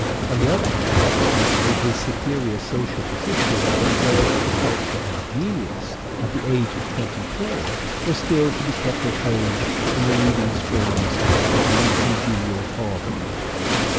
On the other hand, Oxford with his superior social position, wealth, culture and genius, at the age of twenty four was still to be kept at home in the leading strings of an un congenial father in law.